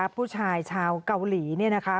ผู้ชายชาวเกาหลีเนี่ยนะคะ